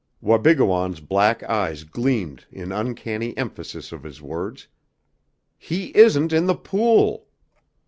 Wabigoon's black eyes gleamed in uncanny emphasis of his words. "He isn't in the pool!"